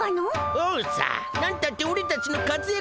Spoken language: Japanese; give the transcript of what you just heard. おうさなんたっておれたちの活躍時だぜ！